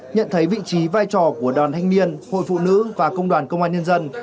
nhận thấy vị trí vai trò của đoàn thanh niên hội phụ nữ và công đoàn công an nhân dân